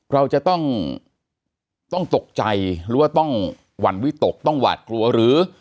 เราจะต้องตกใจหรือว่าต้องหวั่นวิตกต้องหวาดกลัวหรือ